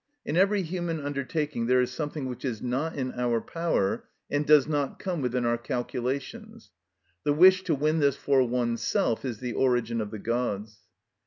In every human undertaking there is something which is not in our power and does not come within our calculations; the wish to win this for oneself is the origin of the gods.